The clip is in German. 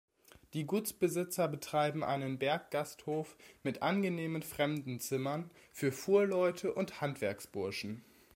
Die Gutsbesitzer betrieben einen Berggasthof mit „angenehmen Fremdenzimmern“ für Fuhrleute und Handwerksburschen.